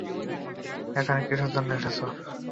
এখানে কীসের জন্যে এসেছ?